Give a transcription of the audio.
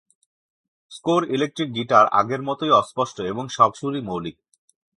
স্কো'র electric guitar আগের মতই অস্পষ্ট এবং সব সুরই মৌলিক।